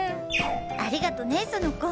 ありがとね園子。